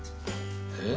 え？